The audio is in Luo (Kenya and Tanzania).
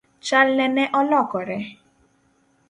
Chalne ne olokore?